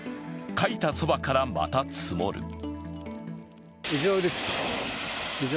かいたそばからまた積もる。